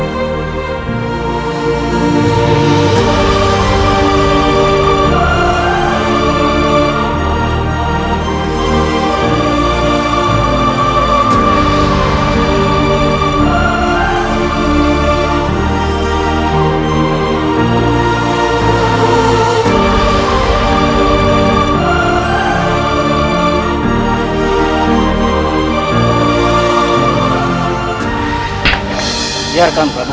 biarkan pramu meliksa nyatanya